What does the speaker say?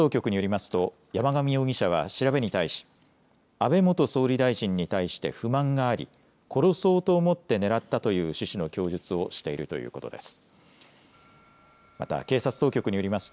警察当局によりますと山上容疑者は調べに対し安倍元総理大臣に対して不満があり殺そうと思って狙ったという趣旨の供述をしているということです。